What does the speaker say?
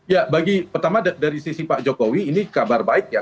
ya bagi pertama dari sisi pak jokowi ini kabar baik ya